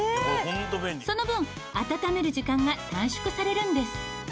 その分温める時間が短縮されるんです。